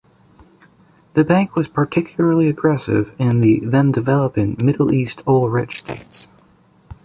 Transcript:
The bank was particularly aggressive in the then-developing Middle East oil-rich states.